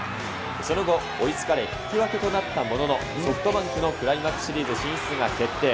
その後、追いつかれ引き分けとなったものの、ソフトバンクのクライマックスシリーズ進出が決定。